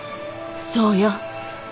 そうよ。